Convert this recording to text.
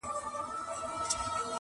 پېښه د ټولو په حافظه کي ژوره نښه پرېږدي،